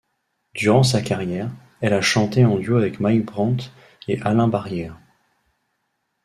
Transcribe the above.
Durant sa carrière, elle a chanté en duo avec Mike Brant et Alain Barrière.